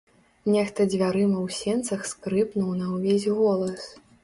Нехта дзвярыма ў сенцах скрыпнуў на ўвесь голас.